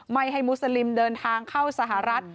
ไม่ให้มุสลิมเดินทางเข้าสหรัฐ